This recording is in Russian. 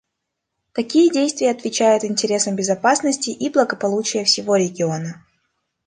Такие действия отвечают интересам безопасности и благополучия всего региона.